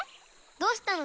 どうしたの？